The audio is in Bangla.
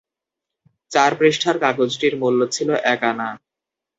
চার পৃষ্ঠার কাগজটির মূল্য ছিল এক আনা।